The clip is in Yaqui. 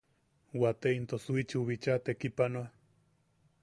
Wate into Suichiiu bicha tekipanoa.